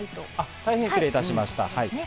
大変失礼いたしました。